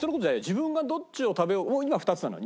自分がどっちを食べようもう今は２つなのよ